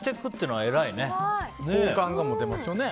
好感が持てますよね。